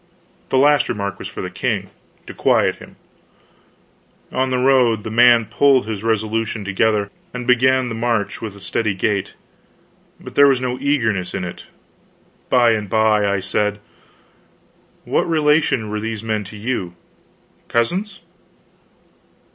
The last remark was for the king to quiet him. On the road the man pulled his resolution together, and began the march with a steady gait, but there was no eagerness in it. By and by I said: "What relation were these men to you cousins?"